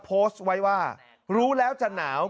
โพสต์ไว้ว่ารู้แล้วจะหนาว